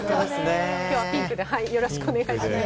今日はピンクでよろしくお願いします。